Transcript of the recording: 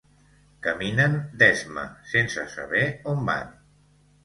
Caminen d'esma, sense saber on van.